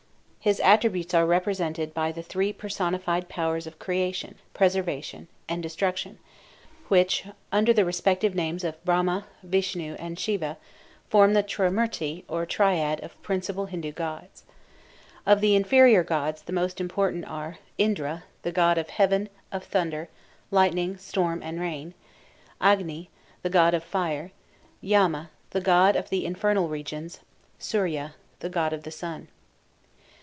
His attributes are represented by the three personified powers of creation, preservation, and destruction, which under the respective names of Brahma, Vishnu, and Siva form the Trimurti or triad of principal Hindu gods. Of the inferior gods the most important are: 1. Indra, the god of heaven, of thunder, lightning, storm, and rain; 2. Agni, the god of fire; 3. Yama, the god of the infernal regions; 4. Surya, the god of the sun.